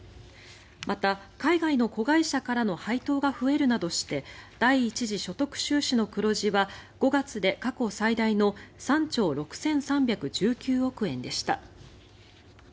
また、海外の子会社からの配当が増えるなどして第一次所得収支の黒字は５月で過去最大の３兆６３１９億円でした。